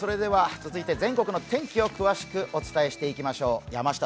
続いて全国の天気を詳しくお伝えしていきましょう。